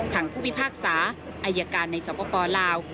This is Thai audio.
ทางผู้วิพากษาอายการในสวปปลาว